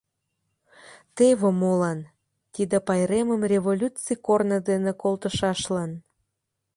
Теве молан: тиде пайремым революций корно дене колтышашлан.